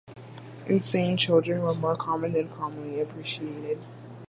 Insane children were more common than is commonly appreciated.